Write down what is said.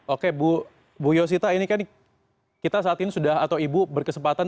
oke bu yosita ini kan kita saat ini sudah atau ibu berkesempatan